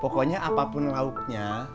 pokoknya apapun lauknya